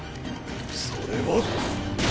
それは。